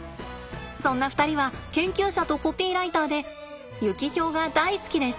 そんな２人は研究者とコピーライターでユキヒョウが大好きです。